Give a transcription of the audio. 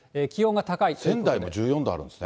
仙台も１４度あるんですね。